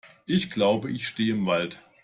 Ich glaube, ich stehe im Wald!